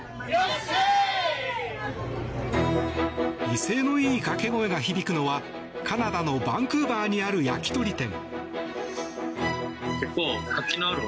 威勢のいい掛け声が響くのはカナダのバンクーバーにある焼き鳥店。